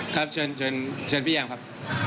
ครับเชิญพี่แอมครับ